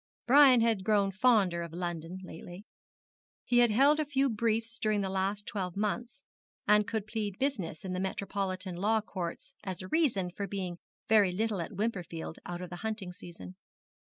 Brian had grown fonder of London lately. He had held a few briefs during the last twelve months and could plead business in the metropolitan law courts as a reason for being very little at Wimperfield out of the hunting season.